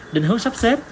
định hướng sắp xếp